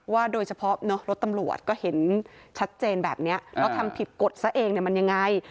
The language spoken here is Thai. โดยเฉพาะรถตำรวจก็เห็นชัดเจนแบบนี้แล้วทำผิดกฎซะเองมันยังไง